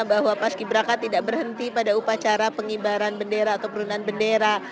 bahwa pas ki braka tidak berhenti pada upacara pengibaran bendera atau perundangan bendera